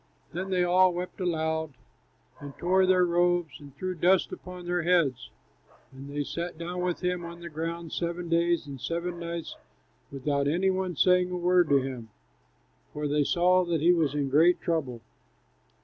Then they all wept aloud and tore their robes and threw dust upon their heads. And they sat down with him on the ground seven days and seven nights without any one saying a word to him, for they saw that he was in great trouble.